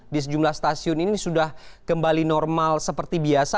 di sejumlah stasiun ini sudah kembali normal seperti biasa